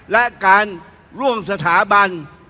และการร่วมสถาบัน